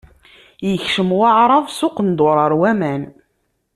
Yekcem Waɛrab s uqendur ɣer waman.